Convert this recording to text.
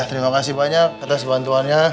oh ya terima kasih banyak atas bantuannya